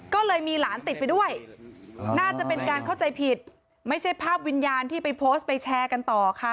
ก็เลยมีหลานติดไปด้วยน่าจะเป็นการเข้าใจผิดไม่ใช่ภาพวิญญาณที่ไปโพสต์ไปแชร์กันต่อค่ะ